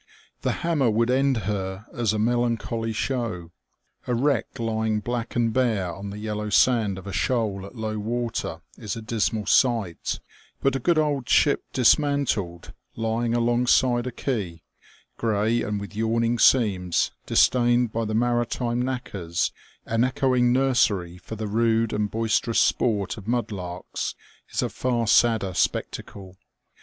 The hammer would end her as a melancholy show. A wreck lying black and bare on the yellow sand of a shoal at low water is a dismal sight ; but a good old ship dismantled, lying alongside a quay, grey and with yawning seams, disdained by the maritime knackers, an echoing nursery for the rude and boisterous sport of mudlarks, is a far sadder spectacle.